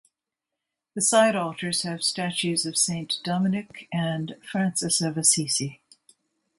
The side altars have statues of Saint Dominic and Francis of Assisi.